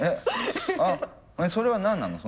あそれは何なの？